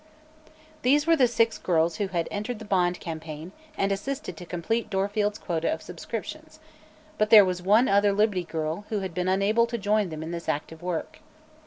These were the six girls who had entered the bond campaign and assisted to complete Dorfield's quota of subscriptions, but there was one other Liberty Girl who had been unable to join them in this active work.